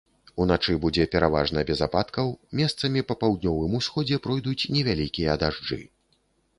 Уначы будзе пераважна без ападкаў, месцамі па паўднёвым усходзе пройдуць невялікія дажджы.